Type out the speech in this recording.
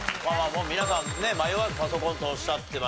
皆さんね迷わずパソコンとおっしゃってました。